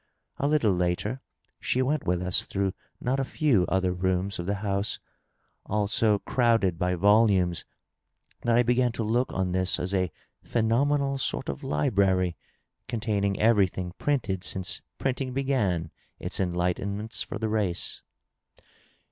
A little later she went with us through not a few other rooms of the house, all so crowded by volumes that I began to look on this as a phenomenal sort of library containing everything printed since printing b^an its enlightenments for the race.